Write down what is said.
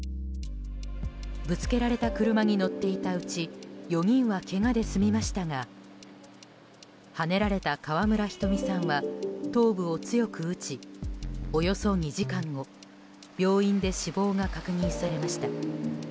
ぶつけられた車に乗っていたうち４人は、けがで済みましたがはねられた川村ひとみさんは頭部を強く打ちおよそ２時間後病院で死亡が確認されました。